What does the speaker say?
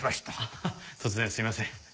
ああ突然すいません。